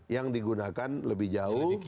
yang digunakan lebih jauh